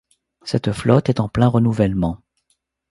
Cette flotte est en plein renouvellement.